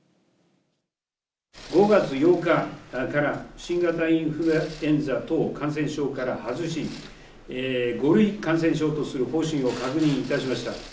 ５月８日から新型インフルエンザ等感染症から外し、５類感染症とする方針を確認いたしました。